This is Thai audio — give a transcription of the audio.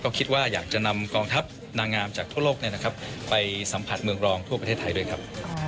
ก็คิดว่าอยากจะนำกองทัพนางงามจากทั่วโลกไปสัมผัสเมืองรองทั่วประเทศไทยด้วยครับ